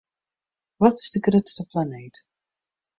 Wat is de grutste planeet?